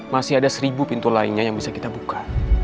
masih ada seribu pintu lainnya yang bisa kita buka